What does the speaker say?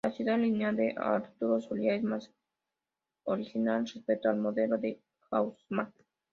La ciudad lineal de Arturo Soria es más original respecto al modelo de Haussmann.